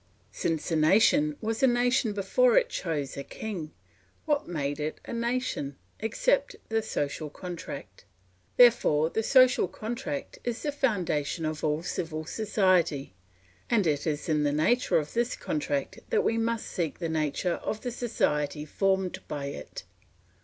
Since the nation was a nation before it chose a king, what made it a nation, except the social contract? Therefore the social contract is the foundation of all civil society, and it is in the nature of this contract that we must seek the nature of the society formed by it.